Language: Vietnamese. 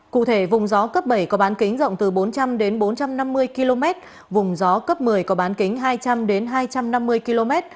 cụ thể vùng gió cấp bảy có bán kính rộng từ bốn trăm linh đến bốn trăm năm mươi km vùng gió cấp một mươi có bán kính hai trăm linh hai trăm năm mươi km